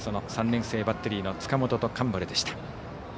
３年生バッテリーの塚本と上原でした。